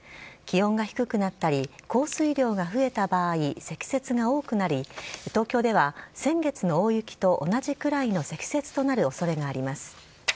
気温が低くなったり、降水量が増えた場合、積雪が多くなり、東京では先月の大雪と同じくらいの積雪となるおそれがあります。